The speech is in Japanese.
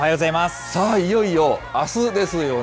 さあ、いよいよあすですよね。